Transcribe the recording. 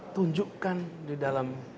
tunjukkan di dalam